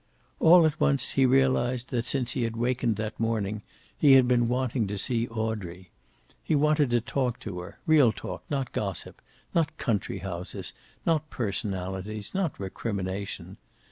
All at once, he realized that, since he had wakened that morning, he had been wanting to see Audrey. He wanted to talk to her, real talk, not gossip. Not country houses. Not personalities. Not recrimination.